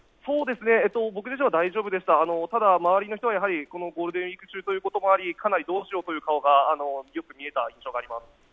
僕自身は大丈夫でしたただ、周りの人はゴールデンウイーク中ということもあり、かなりどうしようという顔がよく見えた印象があります。